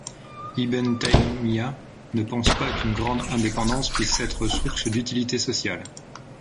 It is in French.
Ibn Taymiyya ne pense pas qu'une grande indépendance puisse être source d'utilité sociale.